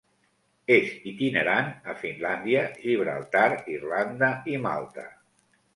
És itinerant a Finlàndia, Gibraltar, Irlanda i Malta.